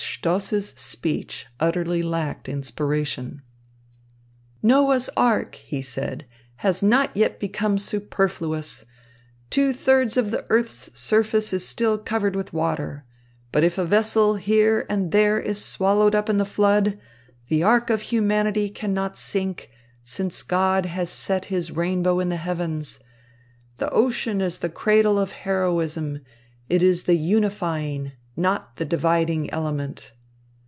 Stoss's speech utterly lacked inspiration. "Noah's ark," he said, "has not yet become superfluous. Two thirds of the earth's surface is still covered with water. But if a vessel here and there is swallowed up in the flood, the ark of humanity cannot sink, since God has set his rainbow in the heavens. The ocean is the cradle of heroism, it is the unifying, not the dividing element."